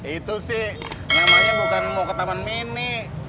itu sih namanya bukan mau ke taman mini